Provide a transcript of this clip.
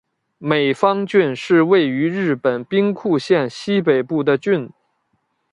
美方郡是位于日本兵库县西北部的郡。